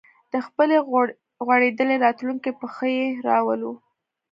د خپلې غوړېدلې راتلونکې په ښه یې راولو